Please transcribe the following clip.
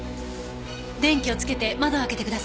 電気をつけて窓を開けてください。